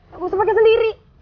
gak usah pake sendiri